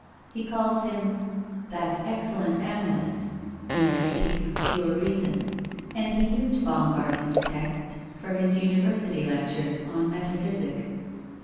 He calls him "that excellent analyst" in the Critique of Pure Reason, and he used Baumgarten's text for his University lectures on Metaphysic.